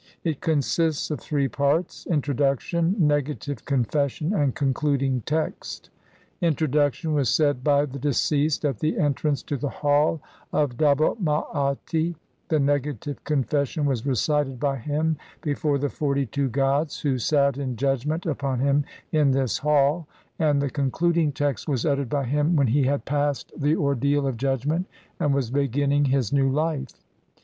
It consists of three parts :— Introduction, Ne gative Confession, and Concluding Text. The Intro duction was said by the deceased at the entrance to the Hall of double Maati, the Negative Confession was recited by him before the forty two gods who sat in judgment upon him in this Hall, and the Con cluding Text was uttered by him when he had passed THE OBJECT AND CONTENTS, ETC. CLXIX the ordeal of judgment and was beginning his new life.